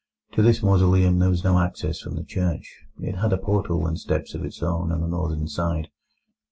To this mausoleum there was no access from the church. It had a portal and steps of its own on the northern side.